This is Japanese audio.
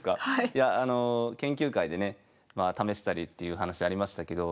いやあの研究会でね試したりっていう話ありましたけど。